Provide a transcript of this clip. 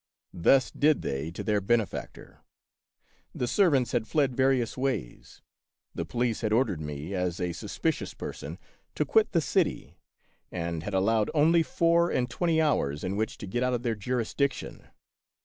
Thus did they to their benefactor. The servants had fled various ways. The police had ordered me, as a suspicious person, to quit the city, and had allowed only four and twenty hours in which to get out of their jurisdiction.